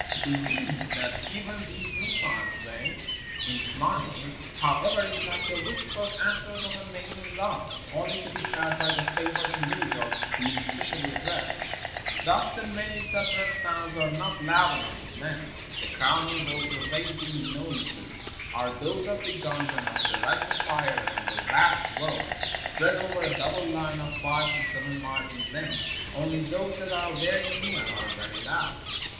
The whizz that even these missiles make in flying, however, is like the whispered answers of a maid in love, only to be heard by the favored individual who is especially addressed. Thus the many separate sounds are not loud enough to blend. The crowning, all pervading noises are those of the guns and of the rifle fire, and on the vast veldt, spread over a double line of five to seven miles in length, only those that are very near are very loud.